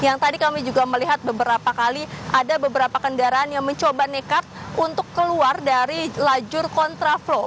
yang tadi kami juga melihat beberapa kali ada beberapa kendaraan yang mencoba nekat untuk keluar dari lajur kontraflow